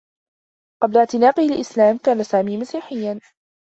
قبل اعتناقه الإسلام، كان سامي مسيحيّا.